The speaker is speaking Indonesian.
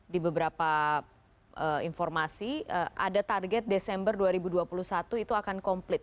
di beberapa informasi ada target desember dua ribu dua puluh satu itu akan komplit